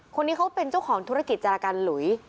คนนี้เขาเป็นเจ้าของธุรกิจจารกันหลุย